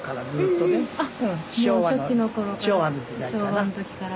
昭和の時から。